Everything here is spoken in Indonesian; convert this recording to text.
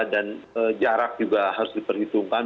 dan jarak juga harus diperhitungkan